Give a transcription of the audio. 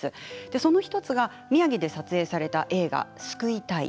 その１つが宮城で撮影された映画「救いたい」。